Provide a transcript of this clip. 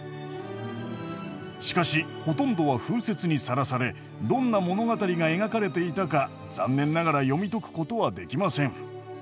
しかしほとんどは風雪にさらされどんな物語が描かれていたか残念ながら読み解くことはできません。